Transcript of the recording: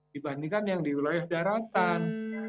dibandingkan yang di wilayah daratan